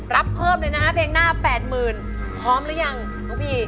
รับเพิ่มเลยนะฮะเพลงหน้า๘๐๐๐พร้อมหรือยังน้องพี